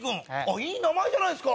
いい名前じゃないっすか！